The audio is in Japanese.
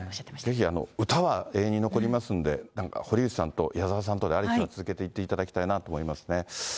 ぜひ歌は永遠に残りますんで、堀内さんと矢沢さんとでアリスは続けていっていただきたいなと思いますね。